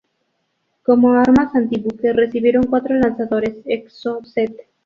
Como armas antibuque recibieron cuatro lanzadores Exocet.